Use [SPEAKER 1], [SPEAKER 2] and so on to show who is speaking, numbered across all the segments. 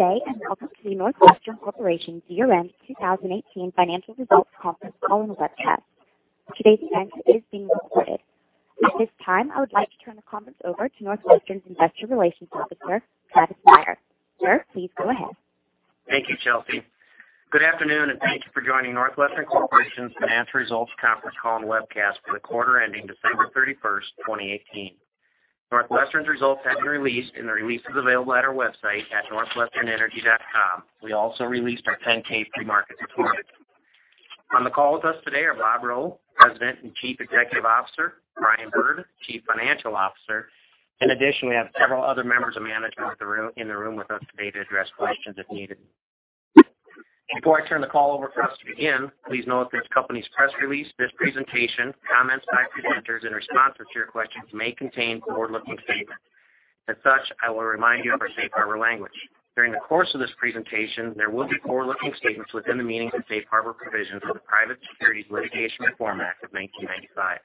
[SPEAKER 1] Good day, welcome to the NorthWestern Corporation, NWE, 2018 Financial Results Conference Call and Webcast. Today's event is being recorded. At this time, I would like to turn the conference over to NorthWestern's Investor Relations Officer, Travis Meyer. Sir, please go ahead.
[SPEAKER 2] Thank you, Chelsea. Good afternoon, thank you for joining NorthWestern Corporation's Financial Results Conference Call and Webcast for the quarter ending December 31st, 2018. NorthWestern's results have been released. The release is available at our website at northwesternenergy.com. We also released our 10-K pre-market this morning. On the call with us today are Bob Rowe, President and Chief Executive Officer, Brian Bird, Chief Financial Officer. In addition, we have several other members of management in the room with us today to address questions if needed. Before I turn the call over for us to begin, please note this company's press release, this presentation, comments by presenters in response to your questions may contain forward-looking statements. As such, I will remind you of our safe harbor language. During the course of this presentation, there will be forward-looking statements within the meaning of the Safe Harbor Provisions of the Private Securities Litigation Reform Act of 1995.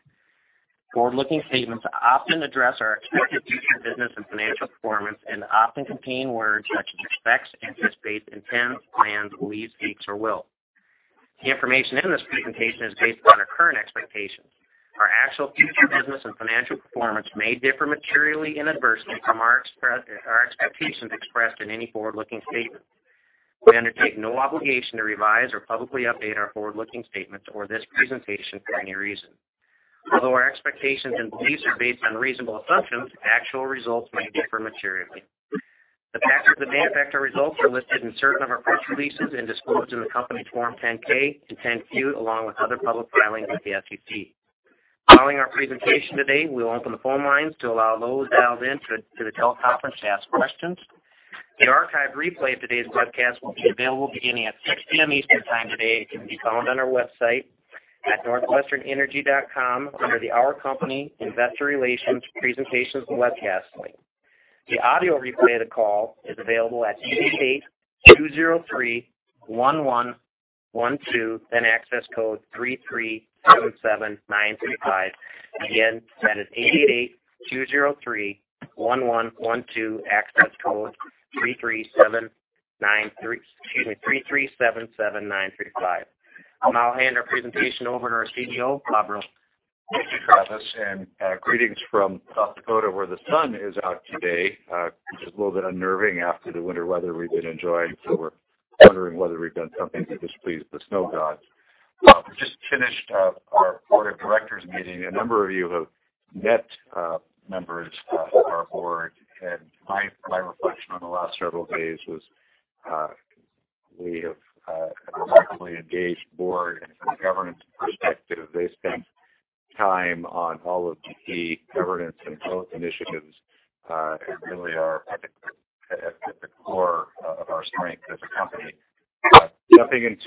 [SPEAKER 2] Forward-looking statements often address our expected future business and financial performance and often contain words such as expects, anticipates, intends, plans, believes, seeks, or will. The information in this presentation is based on our current expectations. Our actual future business and financial performance may differ materially and adversely from our expectations expressed in any forward-looking statement. We undertake no obligation to revise or publicly update our forward-looking statements or this presentation for any reason. Although our expectations and beliefs are based on reasonable assumptions, actual results may differ materially. The factors that may affect our results are listed in certain of our press releases and disclosed in the company's Form 10-K and Form 10-Q, along with other public filings with the SEC. Following our presentation today, we will open the phone lines to allow those dialed in to the teleconference to ask questions. The archived replay of today's webcast will be available beginning at 6:00 P.M. Eastern Time today. It can be found on our website at northwesternenergy.com under the Our Company, Investor Relations, Presentations and Webcasts link. The audio replay of the call is available at 888-203-1112. Access code 3377935. Again, that is 888-203-1112, access code 3377935. I'll now hand our presentation over to our CEO, Bob Rowe.
[SPEAKER 3] Thank you, Travis, and greetings from South Dakota, where the sun is out today, which is a little bit unnerving after the winter weather we've been enjoying. We're wondering whether we've done something to displease the snow gods. We just finished our Board of Directors meeting. A number of you have met members of our Board, and my reflection on the last several days was we have a remarkably engaged Board, and from a governance perspective, they spent time on all of the key governance and growth initiatives and really are at the core of our strength as a company. Jumping into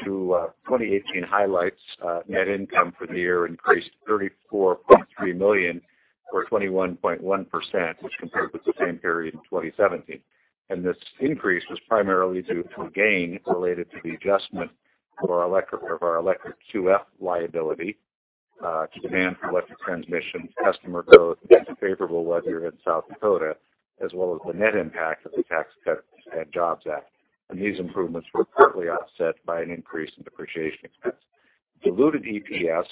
[SPEAKER 3] 2018 highlights, net income for the year increased $34.3 million or 21.1%, which compared with the same period in 2017. This increase was primarily due to a gain related to the adjustment of our electric QF liability, to demand for electric transmission, customer growth, and favorable weather in South Dakota, as well as the net impact of the Tax Cuts and Jobs Act. These improvements were partly offset by an increase in depreciation expense. Diluted EPS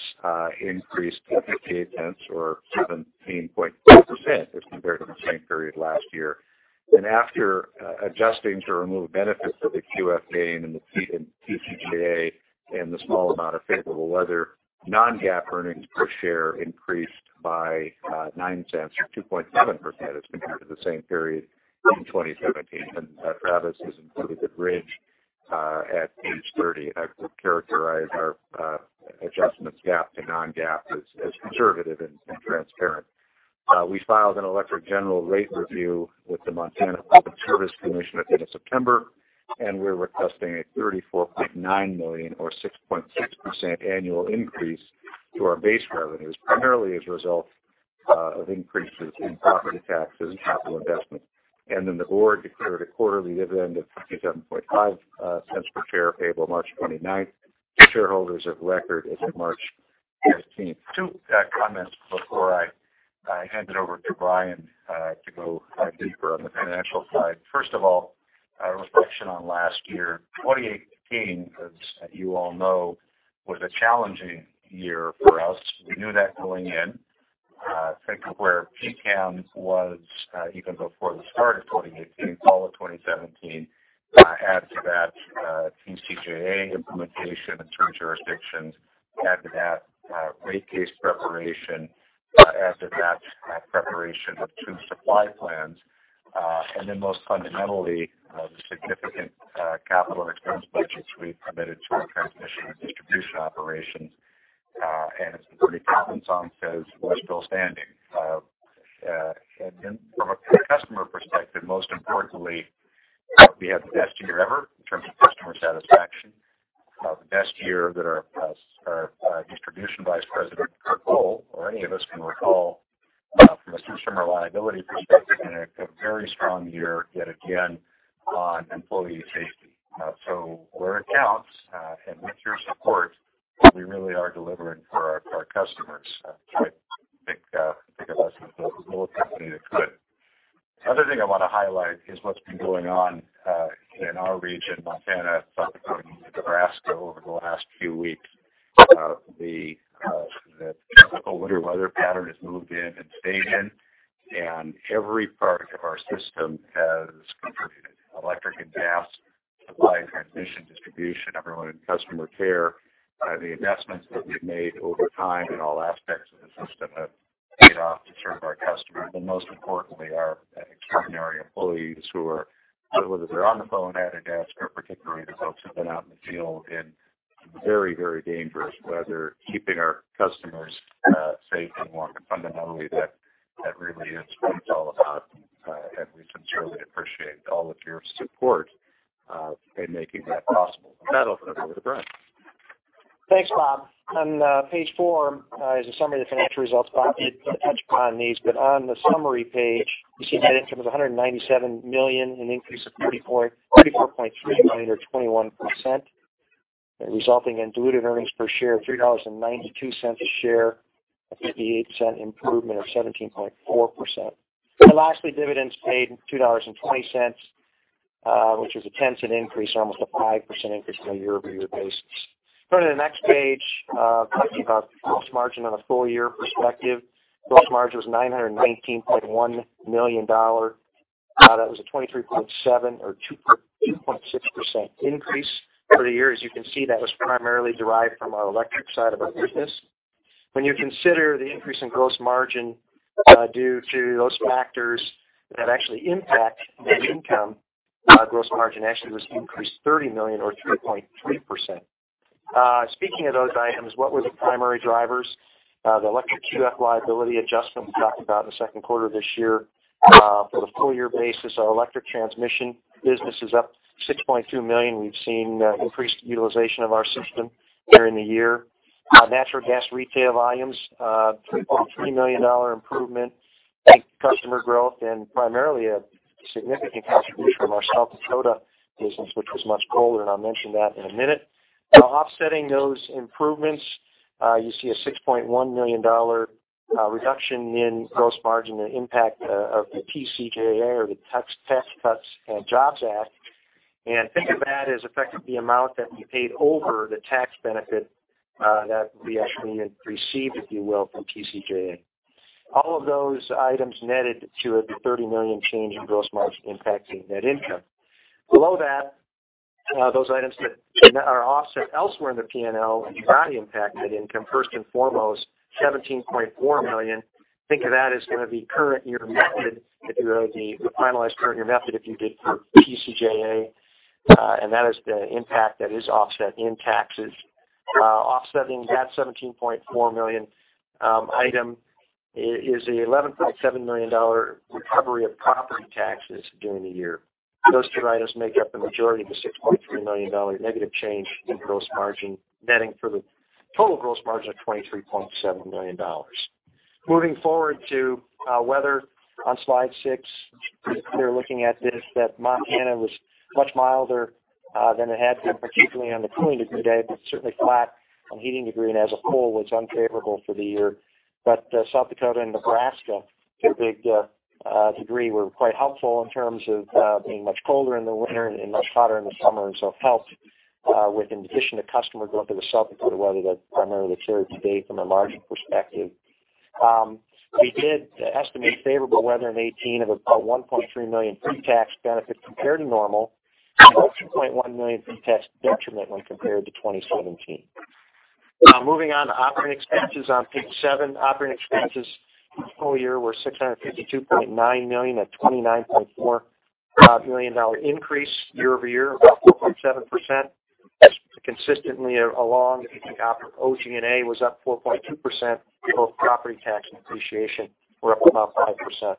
[SPEAKER 3] increased $0.58 or 17.4%, if compared to the same period last year. After adjusting to remove benefits of the QF gain and the TCJA and the small amount of favorable weather, non-GAAP earnings per share increased by $0.09 or 2.7% as compared to the same period in 2017. Travis has included the bridge at page 30. I would characterize our adjustments GAAP to non-GAAP as conservative and transparent. We filed an electric general rate review with the Montana Public Service Commission at the end of September, and we're requesting a $34.9 million or 6.6% annual increase to our base revenues, primarily as a result of increases in property taxes and capital investment. The Board declared a quarterly dividend of $0.575 per share, payable March 29th to shareholders of record as of March 15th. Two comments before I hand it over to Brian to go deeper on the financial side. First of all, a reflection on last year. 2018, as you all know, was a challenging year for us. We knew that going in. Think of where PCCAM was even before the start of 2018, fall of 2017. Add to that TCJA implementation in two jurisdictions. Add to that rate case preparation. Add to that preparation of two supply plans. Most fundamentally, the significant capital expense budgets we've committed to our transmission and distribution operations. As the Billy Joel song says, we're still standing. From a customer perspective, most importantly, we had the best year ever in terms of customer satisfaction. The best year that our distribution vice president,
[SPEAKER 4] Gross margin was $919.1 million. That was a $23.7 million or 2.6% increase for the year. As you can see, that was primarily derived from our electric side of our business. When you consider the increase in gross margin due to those factors that actually impact net income, gross margin actually was increased $30 million or 3.3%. Speaking of those items, what were the primary drivers? The electric QF liability adjustment we talked about in the second quarter of this year. For the full-year basis, our electric transmission business is up $6.2 million. We've seen increased utilization of our system during the year. Natural gas retail volumes, a $3.3 million improvement. Customer growth and primarily a significant contribution from our South Dakota business, which was much colder, I'll mention that in a minute. Offsetting those improvements, you see a $6.1 million reduction in gross margin, the impact of the TCJA or the Tax Cuts and Jobs Act. Think of that as effectively the amount that we paid over the tax benefit that we actually received, if you will, from TCJA. All of those items netted to the $30 million change in gross margin impacting net income. Below that, those items that are offset elsewhere in the P&L and do not impact net income, first and foremost, $17.4 million. Think of that as going to be current-year method, if you will, the finalized current-year method, if you did for TCJA. That is the impact that is offset in taxes. Offsetting that $17.4 million item is the $11.7 million recovery of property taxes during the year. Those two items make up the majority of the $6.3 million negative change in gross margin, netting for the total gross margin of $23.7 million. Moving forward to weather on slide six. If you're looking at this, that Montana was much milder than it had been, particularly on the cooling degree day, certainly flat on heating degree, as a whole, was unfavorable for the year. South Dakota and Nebraska, to a big degree, were quite helpful in terms of being much colder in the winter and much hotter in the summer. It helped with, in addition to customer growth in the South Dakota weather, that primarily carried the day from a margin perspective. We did estimate favorable weather in 2018 of about $1.3 million pre-tax benefit compared to normal, and a $2.1 million pre-tax detriment when compared to 2017. Moving on to operating expenses on page seven. Operating expenses full-year were $652.9 million, a $29.4 million increase year-over-year, or 4.7%. Consistently along, OG&A was up 4.2%. Both property tax and depreciation were up about 5%.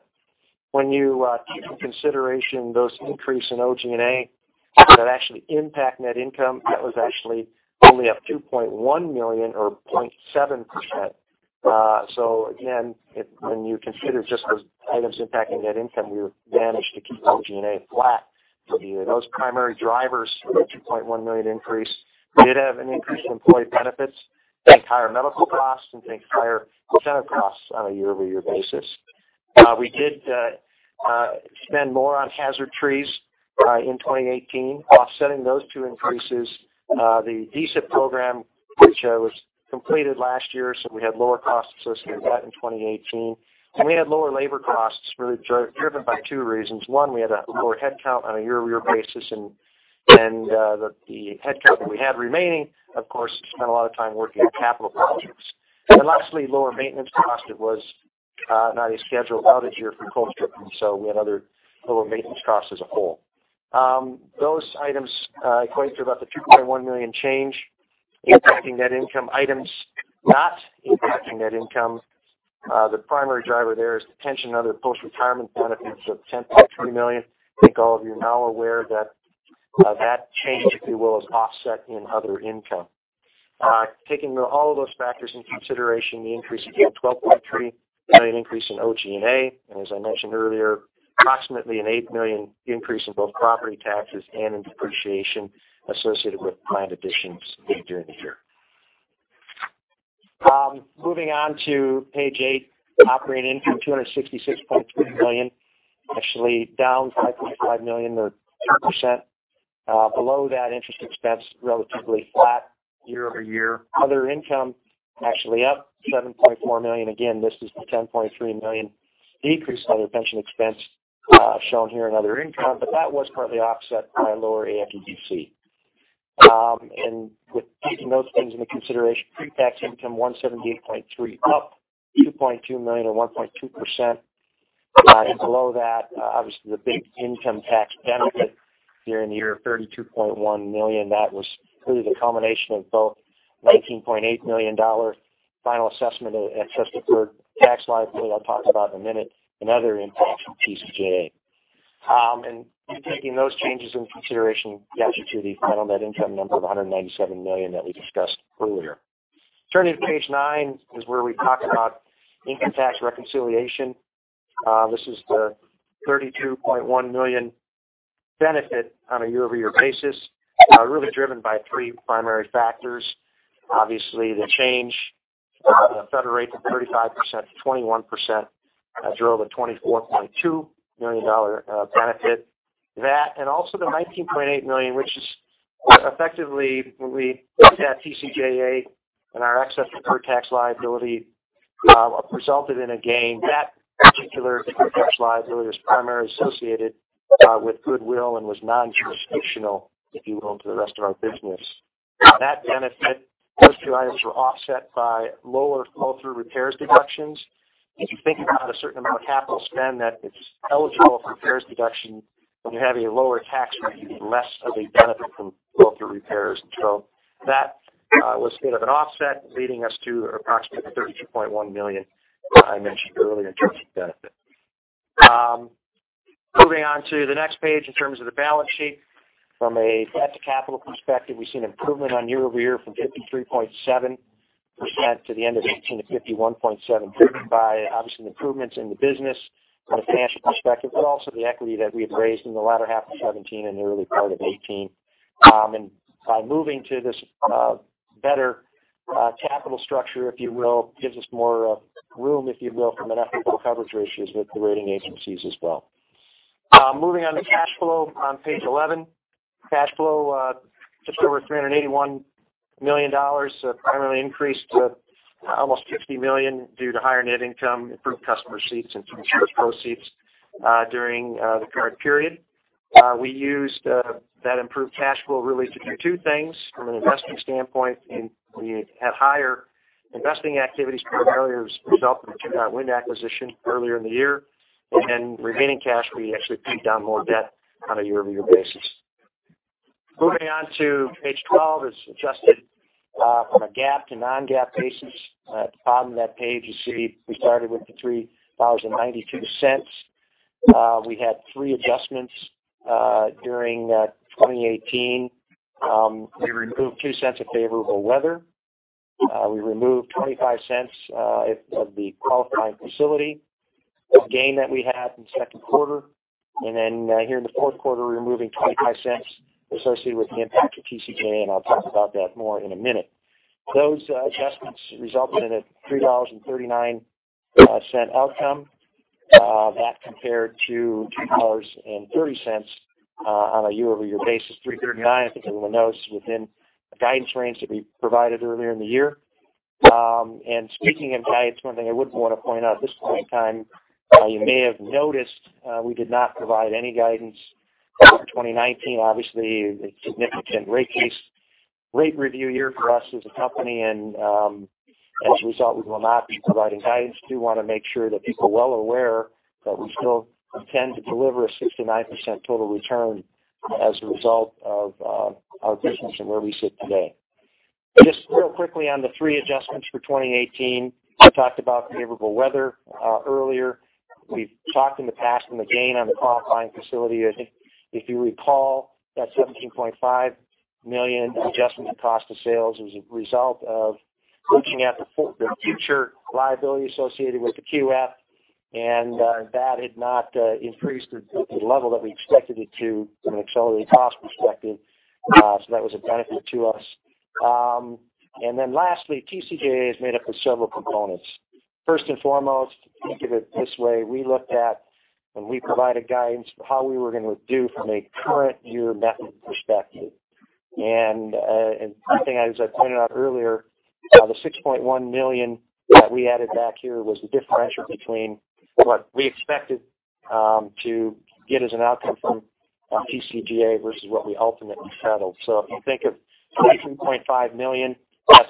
[SPEAKER 4] When you take into consideration those increase in OG&A that actually impact net income, that was actually only up $2.1 million or 0.7%. When you consider just those items impacting net income, we've managed to keep OG&A flat for the year. Those primary drivers for the $2.1 million increase did have an increase in employee benefits, higher medical costs, and higher pension costs on a year-over-year basis. We did spend more on hazard trees in 2018. Offsetting those two increases, the DSIP program, which was completed last year, so we had lower costs associated with that in 2018. We had lower labor costs, really driven by two reasons. One, we had a lower headcount on a year-over-year basis, and the headcount that we had remaining, of course, spent a lot of time working on capital projects. Lastly, lower maintenance cost. It was not a scheduled outage year for coal stripping, so we had lower maintenance costs as a whole. Those items equate to about the $2.1 million change impacting net income. Items not impacting net income, the primary driver there is the pension, other post-retirement benefits of $10.3 million. I think all of you are now aware that that change, if you will, is offset in other income. Taking all of those factors into consideration, the increase of the $12.3 million increase in OG&A, and as I mentioned earlier, approximately an $8 million increase in both property taxes and in depreciation associated with plant additions made during the year. Moving on to page eight, operating income, $266.2 million, actually down $5.5 million or 2%. Below that, interest expense, relatively flat year-over-year. Other income, actually up $7.4 million. Again, this is the $10.3 million decrease on the pension expense shown here in other income. That was partly offset by lower AFUDC. With taking those things into consideration, pre-tax income, $178.3, up $2.2 million or 1.2%. Below that, obviously the big income tax benefit year-on-year of $32.1 million. That was really the culmination of both $19.8 million final assessment excess-of-current-tax liability I'll talk about in a minute, and other impacts from TCJA. Taking those changes in consideration gets you to the final net income number of $197 million that we discussed earlier. Turning to page nine is where we talk about income tax reconciliation. This is the $32.1 million benefit on a year-over-year basis, really driven by three primary factors. Obviously, the change in the federal rate from 35% to 21% drove a $24.2 million benefit. That, and also the $19.8 million, which is effectively when we looked at TCJA and our excess-of-current-tax liability, resulted in a gain. That particular tax liability was primarily associated with goodwill and was non-jurisdictional, if you will, to the rest of our business. That benefit, those two items were offset by lower qualified repairs deductions. If you think about a certain amount of capital spend that is eligible for repairs deduction, when you have a lower tax rate, you get less of a benefit from qualified repairs. So that was a bit of an offset, leading us to approximately the $32.1 million I mentioned earlier in terms of benefit. Moving on to the next page in terms of the balance sheet. From a debt to capital perspective, we see an improvement on year-over-year from 53.7% to the end of 2018 to 51.7%, driven by obviously the improvements in the business from a financial perspective, but also the equity that we have raised in the latter half of 2017 and the early part of 2018. By moving to this better capital structure, if you will, gives us more room from an equitable coverage ratios with the rating agencies as well. Moving on to cash flow on page 11. Cash flow, just over $381 million, primarily increased to almost $60 million due to higher net income, improved customer receipts, and insurance proceeds during the current period. We used that improved cash flow really to do two things. From an investing standpoint, we had higher investing activities compared to earlier, as a result of the Two Dot Wind acquisition earlier in the year. Then remaining cash, we actually paid down more debt on a year-over-year basis. Moving on to page 12, is adjusted from a GAAP to non-GAAP basis. At the bottom of that page, you see we started with the $3.92. We had three adjustments during 2018. We removed $0.02 of favorable weather. We removed $0.25 of the qualifying facility, a gain that we had in the second quarter. Then here in the fourth quarter, we're removing $0.25 associated with the impact of TCJA, and I'll talk about that more in a minute. Those adjustments resulted in a $3.39 outcome. That compared to $3.30 on a year-over-year basis. $3.39, I think everyone knows, within the guidance range that we provided earlier in the year. Speaking of guidance, one thing I would want to point out at this point in time, you may have noticed we did not provide any guidance for 2019. Obviously, a significant rate review year for us as a company, as a result, we will not be providing guidance. We do want to make sure that people are well aware that we still intend to deliver a 6% to 9% total return as a result of our business and where we sit today. Just real quickly on the three adjustments for 2018. We talked about favorable weather earlier. We've talked in the past on the gain on the qualifying facility. I think if you recall, that $17.5 million adjustment in cost of sales was a result of looking at the future liability associated with the QF, and that had not increased to the level that we expected it to from an accelerated cost perspective. That was a benefit to us. Lastly, TCJA is made up of several components. First and foremost, think of it this way. We looked at when we provided guidance for how we were going to do from a current year method perspective. One thing, as I pointed out earlier, the $6.1 million that we added back here was the differential between what we expected to get as an outcome from TCJA versus what we ultimately settled. If you think of $19.5 million+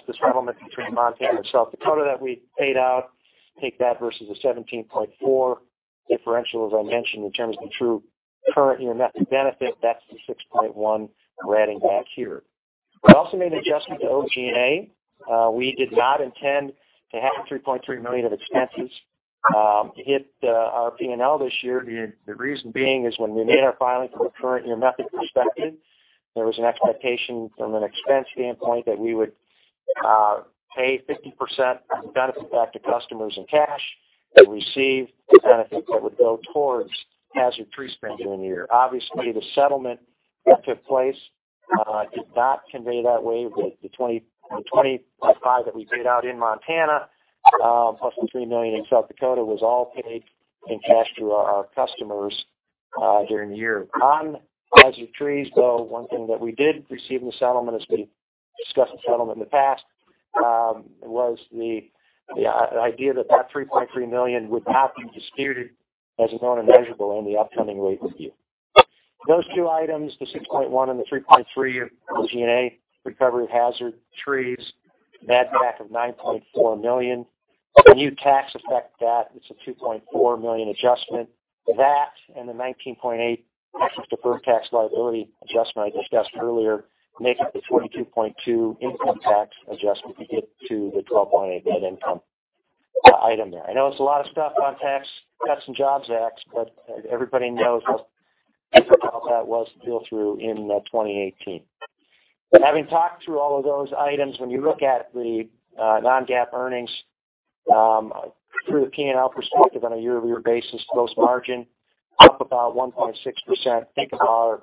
[SPEAKER 4] the settlement between Montana and South Dakota that we paid out, take that versus the $17.4 million differential, as I mentioned, in terms of the true current year method benefit, that's the $6.1 million we're adding back here. We also made an adjustment to OG&A. We did not intend to have the $3.3 million of expenses hit our P&L this year. The reason being is when we made our filing from a current year method perspective, there was an expectation from an expense standpoint that we would pay 50% of the benefit back to customers in cash and receive the benefits that would go towards Hazard Tree spending in the year. Obviously, the settlement that took place. It did not convey that way that the $20.5 milliion that we paid out in Montana, +$3 million in South Dakota was all paid in cash to our customers during the year. On Hazard Trees, though, one thing that we did receive in the settlement, as we discussed the settlement in the past, was the idea that that $3.3 million would not be disputed as a known and measurable in the upcoming rate review. Those two items, the $6.1 million and the $3.3 million of OG&A, recovery of Hazard Trees, net back of $9.4 million. The new tax effect that, it's a $2.4 million adjustment. That and the $19.8 million taxes deferred tax liability adjustment I discussed earlier, make up the $22.2 million income tax adjustment to get to the $12.8 million net income item there. I know it's a lot of stuff on Tax Cuts and Jobs Act, everybody knows just difficult that was to deal through in 2018. Having talked through all of those items, when you look at the non-GAAP earnings, through the P&L perspective on a year-over-year basis, gross margin up about 1.6%. Think of our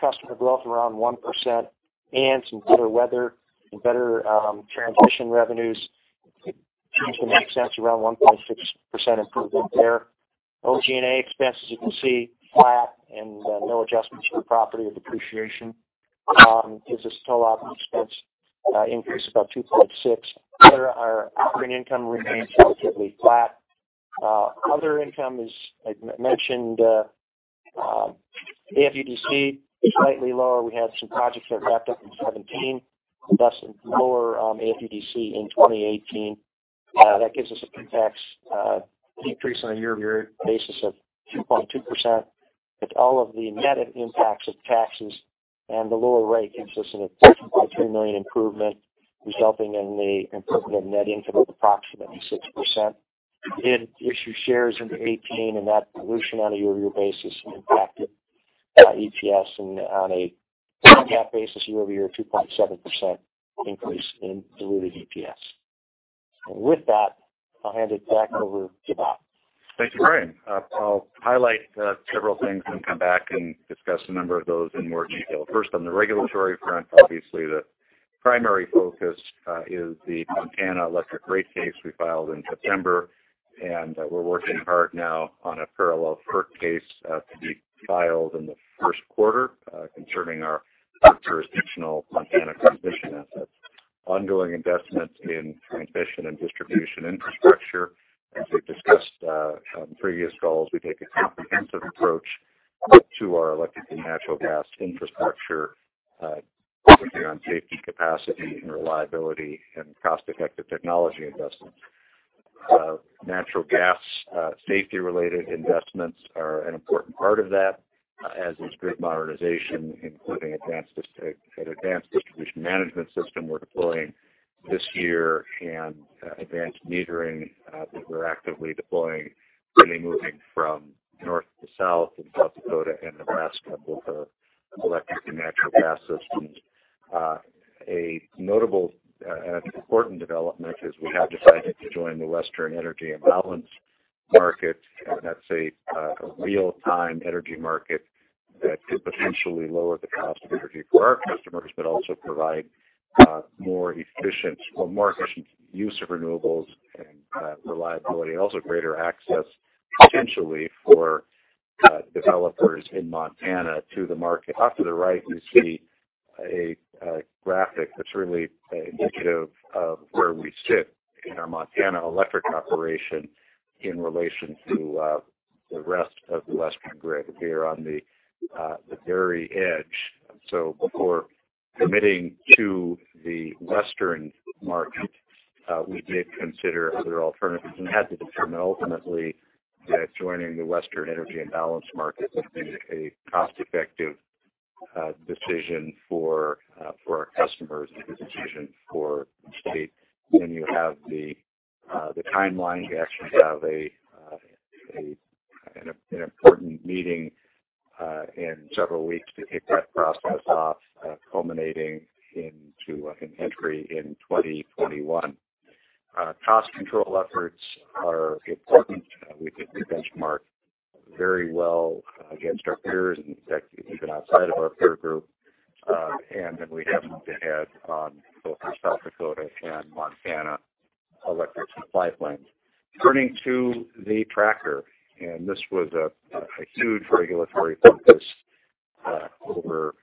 [SPEAKER 4] customer growth around 1% and some better weather and better transition revenues. Seems to make sense, around 1.6% improvement there. OG&A expenses, you can see, flat and no adjustment to the property or depreciation. Gives us total expense increase about 2.6%. There our operating income remains relatively flat. Other income, as I mentioned, AFUDC is slightly lower. We had some projects that wrapped up in 2017, thus lower AFUDC in 2018. That gives us a pre-tax decrease on a year-over-year basis of 2.2%, with all of the net impacts of taxes and the lower rate gives us an additional $13.3 million improvement, resulting in the improvement of net income of approximately 6%. Did issue shares into 2018, and that dilution on a year-over-year basis impacted EPS and on a non-GAAP basis year-over-year, 2.7% increase in diluted EPS. With that, I'll hand it back over to Bob.
[SPEAKER 3] Thanks, Brian. I'll highlight several things and come back and discuss a number of those in more detail. First, on the regulatory front, obviously the primary focus is the Montana electric rate case we filed in September, and we're working hard now on a parallel FERC case to be filed in the first quarter, concerning our jurisdictional Montana transition assets. Ongoing investments in transmission and distribution infrastructure. As we've discussed on previous calls, we take a comprehensive approach to our electric and natural gas infrastructure, focusing on safety, capacity and reliability and cost-effective technology investments. Natural gas safety-related investments are an important part of that, as is grid modernization, including an advanced distribution management system we're deploying this year and advanced metering that we're actively deploying, really moving from north to south in South Dakota and Nebraska, both our electric and natural gas systems. A notable and important development is we have decided to join the Western Energy Imbalance Market. That's a real-time energy market that could potentially lower the cost of energy for our customers, but also provide more efficient use of renewables and reliability, and also greater access, potentially, for developers in Montana to the market. Off to the right, you see a graphic that's really indicative of where we sit in our Montana electric operation in relation to the rest of the Western grid. We are on the very edge. Before committing to the Western market, we did consider other alternatives and had to determine ultimately that joining the Western Energy Imbalance Market would be a cost-effective decision for our customers and a good decision for the state. You have the timeline. You actually have an important meeting in several weeks to kick that process off, culminating into an entry in 2021. Cost control efforts are important. We benchmarked very well against our peers, and in fact, even outside of our peer group. We happen to have on both our South Dakota and Montana electric supply plans. Turning to the tracker, this was a huge regulatory focus over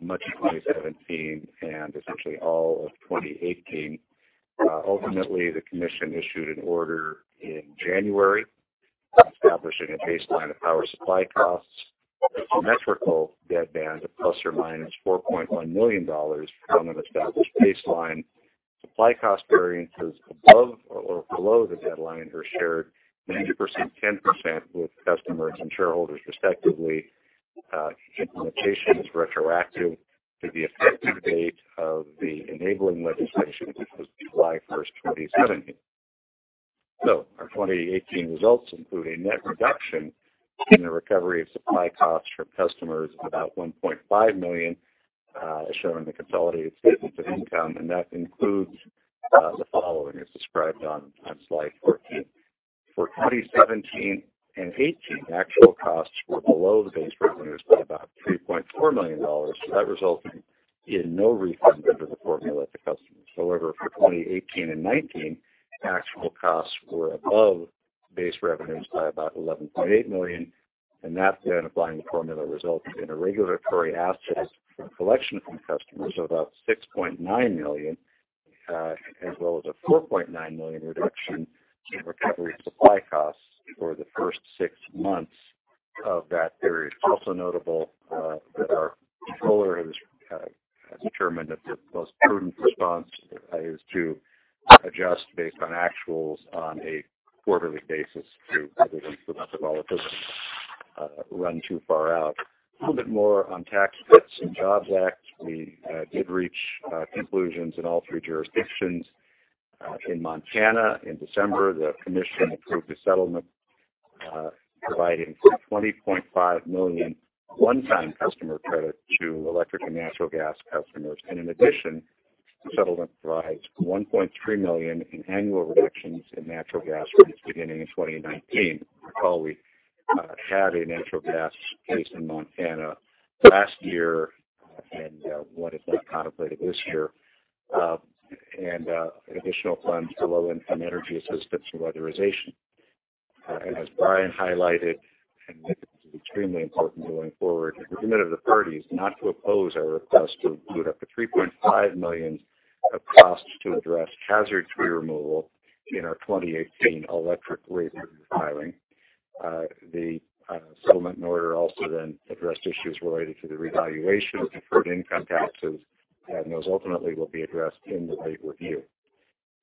[SPEAKER 3] much of 2017 and essentially all of 2018. Ultimately, the commission issued an order in January establishing a baseline of power supply costs with a symmetrical deadband of ±$4.1 million from an established baseline. Supply cost variances above or below the deadline are shared 90%, 10% with customers and shareholders, respectively. Implementation is retroactive to the effective date of the enabling legislation, which was July 1st, 2017. Our 2018 results include a net reduction in the recovery of supply costs for customers of about $1.5 million. As shown in the consolidated statements of income, that includes the following, as described on slide 14. For 2017 and 2018, actual costs were below the base revenues by about $3.4 million. That resulted in no refund under the formula to customers. However, for 2018 and 2019, actual costs were above base revenues by about $11.8 million, and that, applying the formula, resulted in a regulatory asset for collection from customers of about $6.9 million, as well as a $4.9 million reduction in recovery supply costs for the first six months of that period. Also notable, that our controller has determined that the most prudent response is to adjust based on actuals on a quarterly basis to, rather than for the rest of all the customers run too far out. A little bit more on Tax Cuts and Jobs Act. We did reach conclusions in all three jurisdictions. In Montana in December, the commission approved a settlement providing for $20.5 million one-time customer credit to electric and natural gas customers. In addition, the settlement provides $1.3 million in annual reductions in natural gas rates beginning in 2019. You recall, we had a natural gas case in Montana last year and one is being contemplated this year, and additional funds for low-income energy assistance weatherization. As Brian highlighted, and this is extremely important going forward, an agreement of the parties not to oppose our request to include up to $3.5 million of costs to address hazard tree removal in our 2018 electric rate filing. The settlement order also addressed issues related to the revaluation of deferred income taxes, and those ultimately will be addressed in the rate review.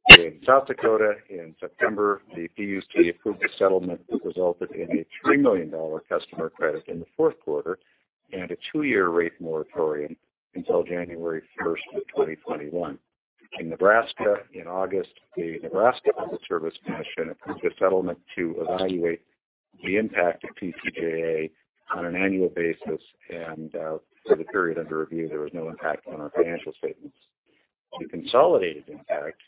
[SPEAKER 3] In South Dakota in September, the PUC approved a settlement that resulted in a $3 million customer credit in the fourth quarter and a two-year rate moratorium until January 1st of 2021. In Nebraska in August, the Nebraska Public Service Commission approved a settlement to evaluate the impact of TCJA on an annual basis and, for the period under review, there was no impact on our financial statements. The consolidated impact,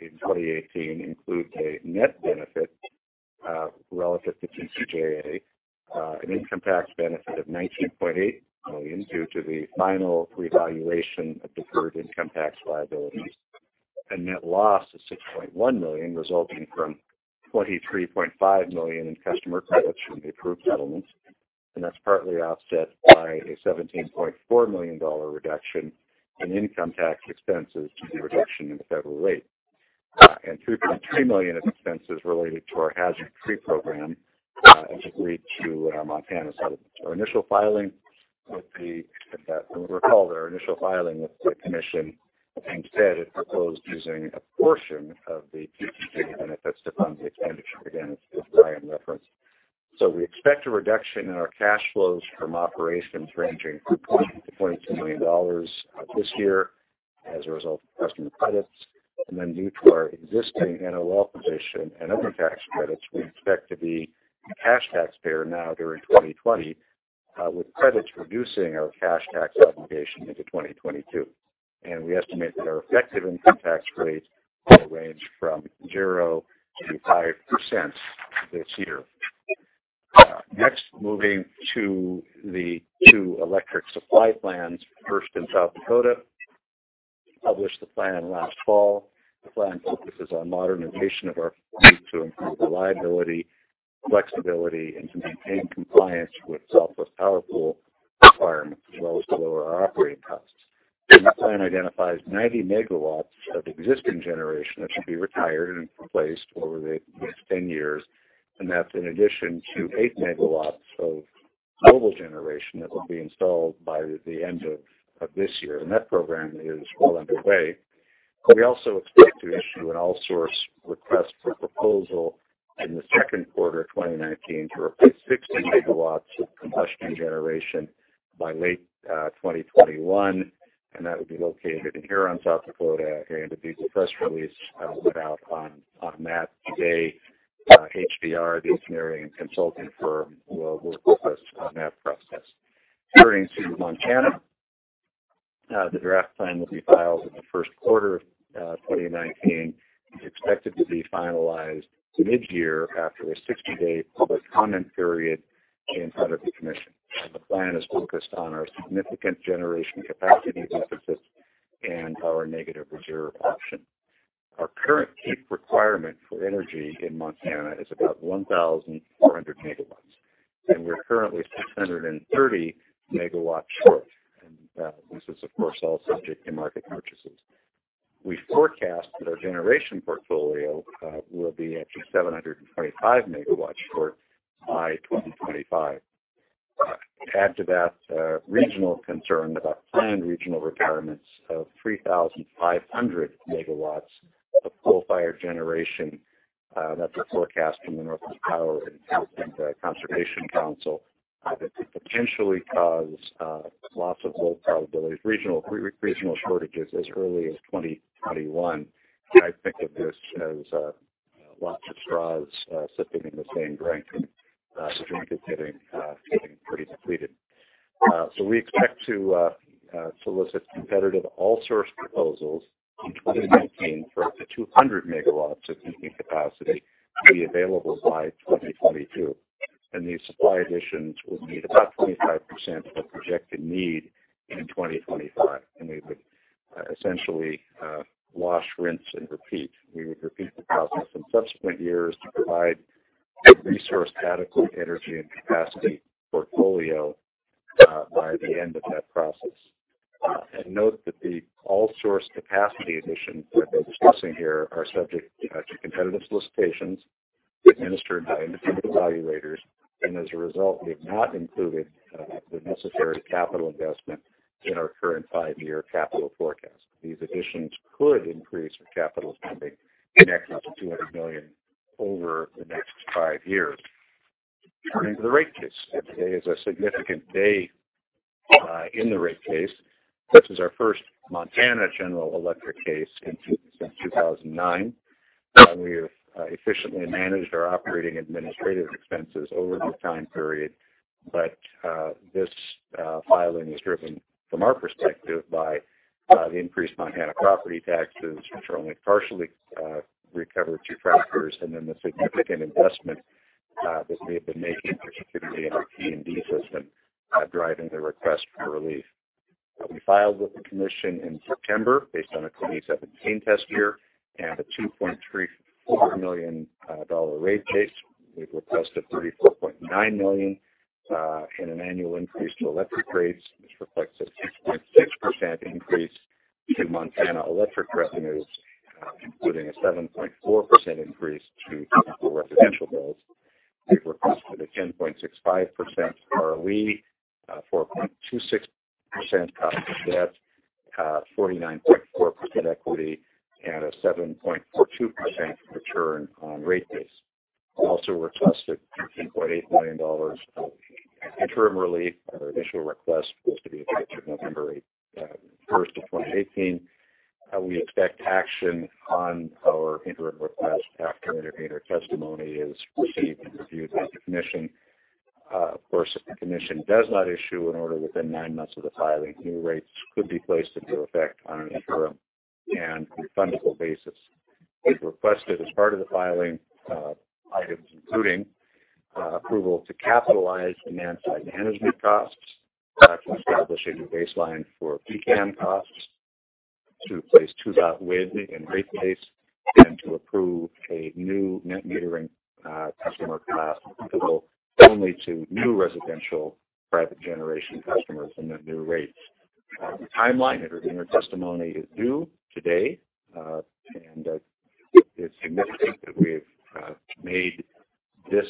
[SPEAKER 3] in 2018, includes a net benefit, relative to TCJA, an income tax benefit of $19.8 million due to the final revaluation of deferred income tax liabilities. A net loss of $6.1 million resulting from $23.5 million in customer credits from the approved settlements, and that's partly offset by a $17.4 million reduction in income tax expenses due to the reduction in the federal rate. $3.3 million of expenses related to our hazard tree program, as agreed to our Montana settlement. You'll recall their initial filing with the commission, instead it proposed using a portion of the TCJA benefits to fund the expenditure. Again, as Brian referenced. We expect a reduction in our cash flows from operations ranging from $20 million-$22 million this year as a result of customer credits. Due to our existing NOL position and other tax credits, we expect to be a cash taxpayer during 2020, with credits reducing our cash tax obligation into 2022. We estimate that our effective income tax rates will range from 0%-5% this year. Next, moving to the two electric supply plans. First, in South Dakota, published the plan last fall. The plan focuses on modernization of our fleet to improve reliability, flexibility, and to maintain compliance with Southwest Power Pool requirements, as well as to lower our operating costs. The plan identifies 90 MWs of existing generation that should be retired and replaced over the next 10 years, and that is in addition to 8 MWs of mobile generation that will be installed by the end of this year. That program is well underway. We also expect to issue an all-source request for proposal in the second quarter 2019 to replace 60 MWs of combustion generation by late 2021, and that would be located here in South Dakota. There will be a press release put out on that today. HDR, the engineering and consulting firm, will work with us on that process. Turning to Montana, the draft plan will be filed in the first quarter of 2019, expected to be finalized mid-year after a 60-day public comment period in front of the commission. The plan is focused on our significant generation capacity deficit and our negative reserve auction. Our current peak requirement for energy in Montana is about 1,400 MWs, and we are currently 630 MWs short. This is, of course, all subject to market purchases. We forecast that our generation portfolio will be actually 725 MWs short by 2025. Add to that regional concern about planned regional requirements of 3,500 MWs of coal-fired generation. That is a forecast from the Northwest Power and Conservation Council that could potentially cause loss of load probabilities, regional shortages as early as 2021. I think of this as a lot of straws sitting in the same drink, and the drink is getting pretty depleted. We expect to solicit competitive all-source proposals in 2019 for up to 200 MWs of capacity to be available by 2022. These supply additions will meet about 25% of the projected need in 2025. We would essentially wash, rinse, and repeat. We would repeat the process in subsequent years to provide a resourced, adequate energy and capacity portfolio by the end of that process. Note that the all-source capacity additions that we are discussing here are subject to competitive solicitations administered by independent evaluators. As a result, we have not included the necessary capital investment in our current five-year capital forecast. These additions could increase our capital spending in excess of $200 million over the next five years. Turning to the rate case. Today is a significant day in the rate case. This is our first Montana general electric case since 2009. We have efficiently managed our operating administrative expenses over this time period. This filing is driven, from our perspective, by the increased Montana property taxes, which are only partially recovered through transfers, and then the significant investment that we have been making, particularly in our T&D system, driving the request for relief. We filed with the commission in September based on a 2017 test year and a $2.34 million rate case. We have requested $34.9 million in an annual increase to electric rates. This reflects a 6.6% increase in Montana electric revenues, including a 7.4% increase to typical residential bills. We've requested a 10.65% ROE, 4.26% cost of debt, 49.4% equity, and a 7.42% return on rate base. We also requested $13.8 million of interim relief. Our initial request was to be effective November 1st of 2018. We expect action on our interim request after intervener testimony is received and reviewed by the Commission. Of course, if the Commission does not issue an order within nine months of the filing, new rates could be placed into effect on an interim and refundable basis. We've requested as part of the filing items, including approval to capitalize demand-side management costs, to establish a new baseline for PCCAM costs, to place Two Dot Wind in rate base, and to approve a new net metering customer class applicable only to new residential private generation customers and their new rates. The timeline. Intervener testimony is due today. It's significant that we've made this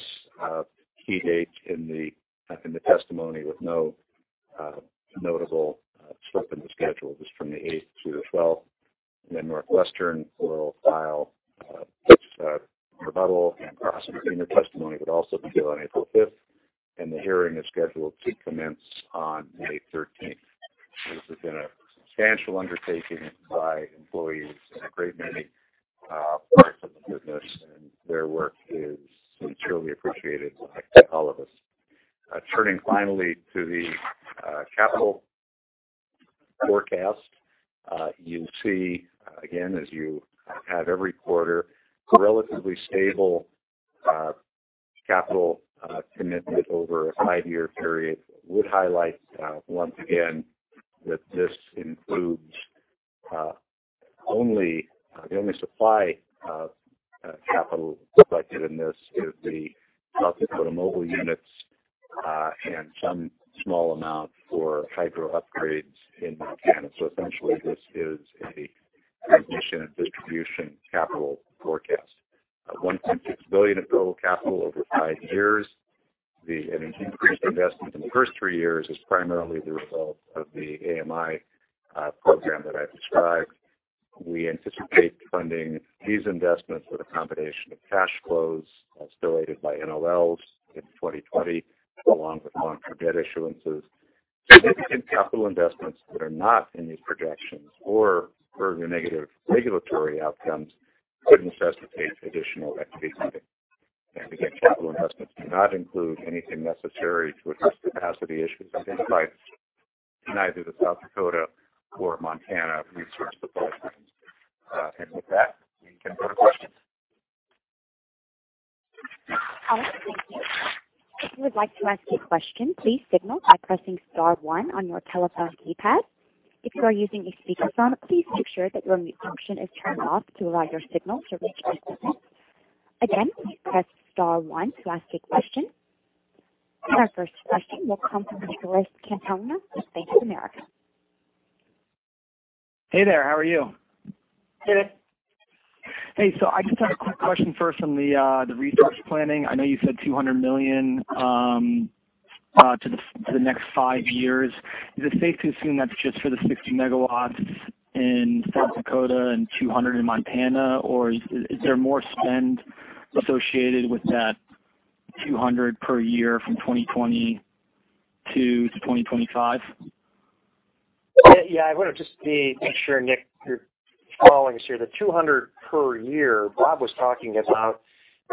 [SPEAKER 3] key date in the testimony with no notable slip in the schedule. This is from the eighth to the 12th. NorthWestern will file its rebuttal, cross-intervener testimony would also be due on April 5th. The hearing is scheduled to commence on May 13th. This has been a substantial undertaking by employees in a great many parts of the business, and their work is sincerely appreciated by all of us. Turning finally to the capital forecast. You'll see, again, as you have every quarter, a relatively stable capital commitment over a five-year period. I would highlight, once again, that this includes the only supply capital reflected in this is the South Dakota mobile units, and some small amount for hydro upgrades in Montana. Essentially, this is a transmission and distribution capital forecast. A $1.6 billion of total capital over five years. The increased investment in the first three years is primarily the result of the AMI program that I've described. We anticipate funding these investments with a combination of cash flows, facilitated by NOLs in 2020, along with long-term debt issuances. Significant capital investments that are not in these projections or further negative regulatory outcomes could necessitate additional equity funding. Again, capital investments do not include anything necessary to address capacity issues identified in either the South Dakota or Montana resource proposals. With that, we can go to questions.
[SPEAKER 1] Operator, thank you. If you would like to ask a question, please signal by pressing star one on your telephone keypad. If you are using a speakerphone, please make sure that your mute function is turned off to allow your signal to reach the system. Again, please press star one to ask a question. Our first question will come from Nicholas Campanella of Bank of America.
[SPEAKER 5] Hey there. How are you?
[SPEAKER 3] Good.
[SPEAKER 5] Hey, I just had a quick question first on the resource planning. I know you said $200 million to the next five years. Is it safe to assume that's just for the 60 MWs in South Dakota and 200 MWs in Montana, or is there more spend associated with that 200 per year from 2022 to 2025?
[SPEAKER 4] Yeah. I want to just make sure, Nick, you're following us here. The 200 MWs per year, Bob was talking about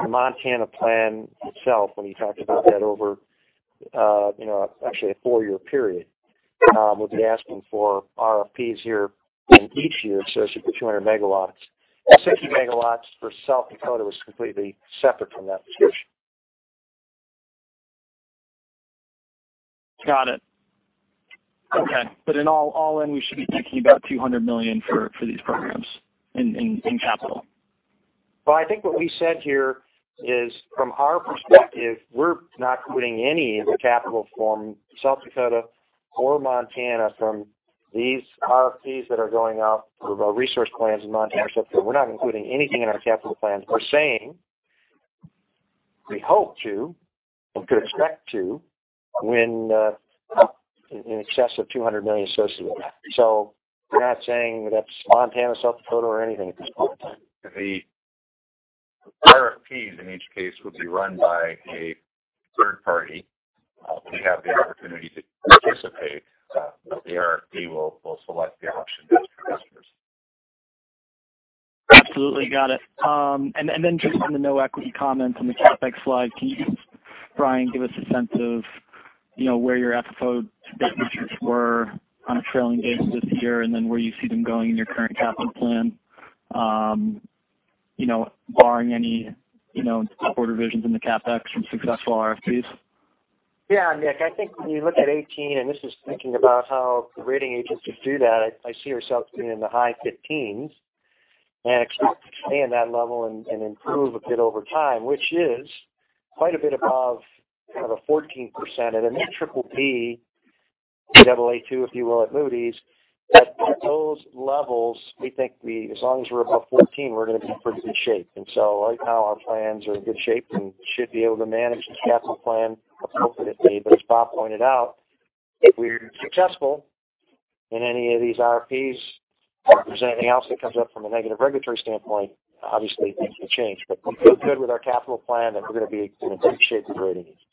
[SPEAKER 4] the Montana plan itself when he talked about that over, actually a four-year period. We'll be asking for RFPs here in each year, it's for 200 MWs. 60 MWs for South Dakota was completely separate from that discussion.
[SPEAKER 5] Got it. Okay. In all in, we should be thinking about $200 million for these programs in capital.
[SPEAKER 4] I think what we said here is, from our perspective, we're not putting any of the capital from South Dakota or Montana from these RFPs that are going out with our resource plans in Montana, South Dakota. We're not including anything in our capital plans. We're saying we hope to and could expect to win in excess of $200 million associated with that. We're not saying that's Montana, South Dakota, or anything at this point in time.
[SPEAKER 3] The RFPs in each case would be run by a third party. We have the opportunity to participate, but the RFP will select the option that's best for customers.
[SPEAKER 5] Absolutely. Got it. Then just on the no equity comment on the CapEx slide, can you, Brian, give us a sense of where your FFO statement metrics were on a trailing basis this year and then where you see them going in your current capital plan, barring any board revisions in the CapEx from successful RFPs?
[SPEAKER 4] Nick, I think when you look at 2018, this is thinking about how the rating agencies do that, I see ourselves being in the high 15s and expect to stay in that level and improve a bit over time, which is quite a bit above kind of a 14% and a BBB, BAA2, if you will, at Moody's. At those levels, we think as long as we're above 14, we're going to be in pretty good shape. Right now, our plans are in good shape and should be able to manage the capital plan appropriately. As Bob pointed out, if we're successful in any of these RFPs, if there's anything else that comes up from a negative regulatory standpoint, obviously things can change. We feel good with our capital plan, and we're going to be in great shape with the rating agencies.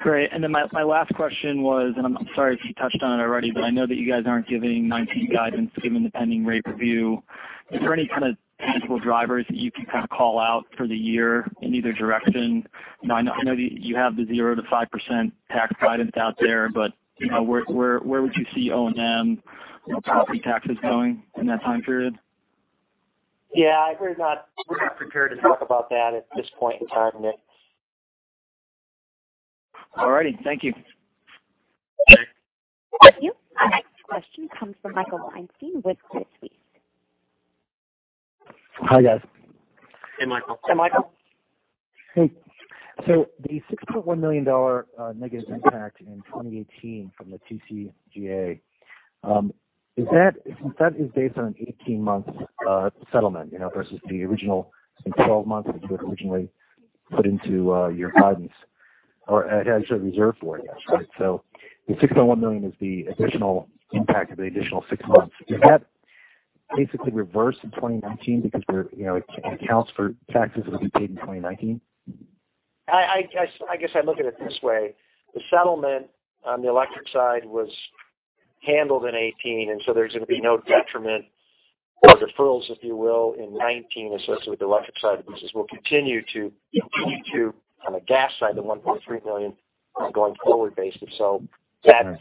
[SPEAKER 5] Great. My last question was, I'm sorry if you touched on it already, I know that you guys aren't giving 2019 guidance given the pending rate review. Is there any kind of tangible drivers that you can call out for the year in either direction? I know you have the 0%-5% tax guidance out there, where would you see O&M property taxes going in that time period?
[SPEAKER 4] Yeah. We're not really prepared to talk about that at this point in time, Nick.
[SPEAKER 5] All right. Thank you.
[SPEAKER 4] Okay.
[SPEAKER 1] Thank you. Our next question comes from Michael Weinstein with Credit Suisse.
[SPEAKER 6] Hi, guys.
[SPEAKER 4] Hey, Michael.
[SPEAKER 3] Hey, Michael.
[SPEAKER 6] Hey. The $6.1 million negative impact in 2018 from the TCJA, since that is based on an 18-month settlement, versus the original 12 months which you had originally put into your guidance or had reserved for it, right? The $6.1 million is the additional impact of the additional six months. Is that basically reversed in 2019 because it accounts for taxes that will be paid in 2019?
[SPEAKER 4] I guess I look at it this way. The settlement on the electric side was handled in 2018, and so there's going to be no detriment or deferrals, if you will, in 2019 associated with the electric side of the business. We'll continue to on the gas side, the $1.3 million on a going forward basis. That